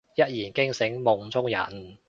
一言驚醒夢中人